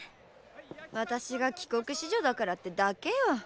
私が帰国子女だからってだけよ。